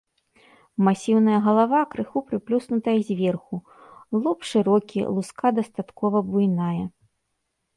Масіўная галава крыху прыплюснутая зверху, лоб шырокі, луска дастаткова буйная.